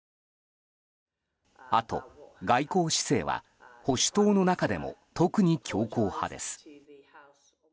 あと外交姿勢は保守党の中でも特に強硬派です。